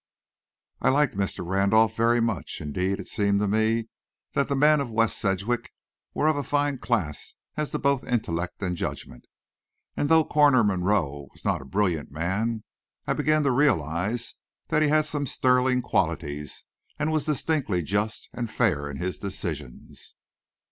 I liked Mr. Randolph very much. Indeed it seemed to me that the men of West Sedgwick were of a fine class as to both intellect and judgment, and though Coroner Monroe was not a brilliant man, I began to realize that he had some sterling qualities and was distinctly just and fair in his decisions.